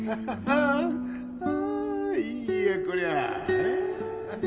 ああいいやこりゃえっ？